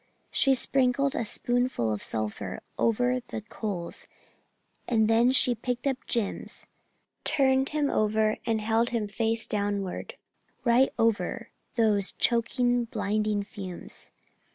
"She sprinkled a spoonful of sulphur over the coals; and then she picked up Jims, turned him over, and held him face downward, right over those choking, blinding fumes.